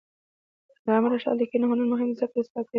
د علامه رشاد لیکنی هنر مهم دی ځکه چې اصلاح کوي.